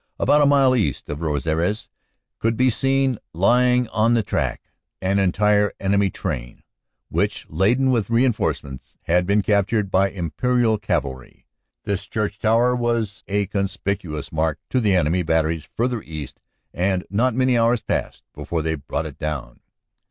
About a mile east of Rosieres could be seen lying on the track an entire enemy train, which, laden with reinforcements, had been cap tured by Imperial cavalry. This church tower was a conspic uous mark to the enemy batteries further east and not many hours passed before they brought it down.